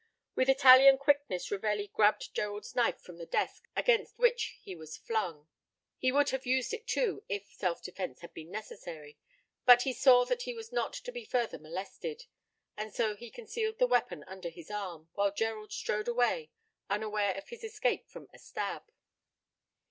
With Italian quickness Ravelli grabbed Gerald's knife from the desk, against which he was flung. He would have used it too, if self defense had been necessary, but he saw that he was not to be further molested, and so he concealed the weapon under his arm, while Gerald strode away, unaware of his escape from a stab.